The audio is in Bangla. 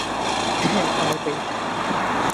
হ্যাঁ, পারবে।